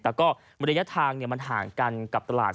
แต่ก็ระยะทางมันห่างกันกับตลาด